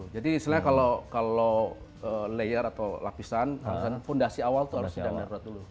jadi kalau layer atau lapisan fundasi awal itu harus dana darurat dulu